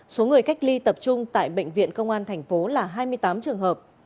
số người cách ly tập trung tại bệnh viện công an thành phố là hai mươi tám trường hợp